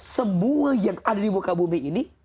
semua yang ada di muka bumi ini